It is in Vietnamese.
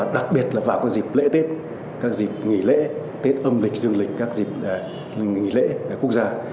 đặc biệt là vào các dịp lễ tết các dịp nghỉ lễ tết âm lịch du lịch các dịp nghỉ lễ quốc gia